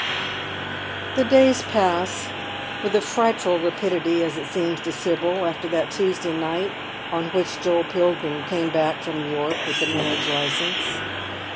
Thb days pass with a frightful rapidity as it seems to Sibyl after that Tuesday night on which Joel Pilgrim came back from York with the mamage licence.